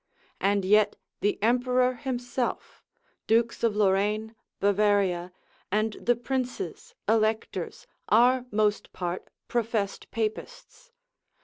And yet the emperor himself, dukes of Lorraine, Bavaria, and the princes, electors, are most part professed papists.